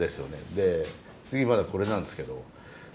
で次まだこれなんですけど。